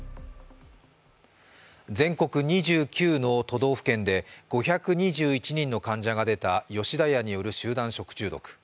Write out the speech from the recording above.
全国２９の都道府県で５２１人の患者が発生した吉田屋による集団食中毒。